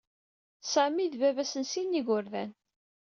Sami d baba-s n sin n yigerdan.